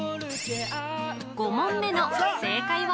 ５問目の正解は？